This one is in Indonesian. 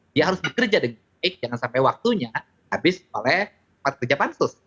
dia harus bekerja dengan baik jangan sampai waktunya habis oleh pekerja pansus